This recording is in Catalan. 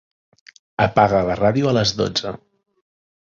Apaga la ràdio a les dotze.